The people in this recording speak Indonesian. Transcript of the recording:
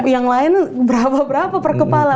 yang lain berapa berapa per kepala